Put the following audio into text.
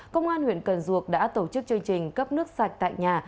công an huyện cần duộc đã tổ chức chương trình cấp nước sạch tại nhà